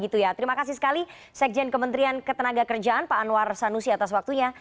terima kasih sekali sekjen kementerian ketenaga kerjaan pak anwar sanusi atas waktunya